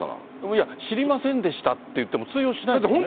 いや、知りませんでしたって言っても通用しないですよね。